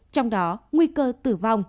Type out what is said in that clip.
trong đó nguy cơ tử vong